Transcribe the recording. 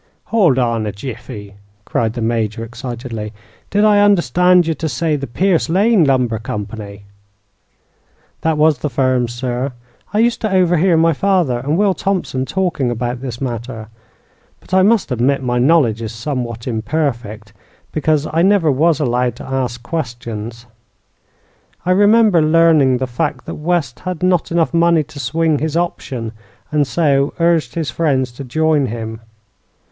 "Howld on a jiffy!" cried the Major, excitedly. "Did I understand you to say the Pierce Lane Lumber Company?" "That was the firm, sir. I used to overhear my father and Will Thompson talking about this matter; but I must admit my knowledge is somewhat imperfect, because I never was allowed to ask questions. I remember learning the fact that West had not enough money to swing his option, and so urged his friends to join him.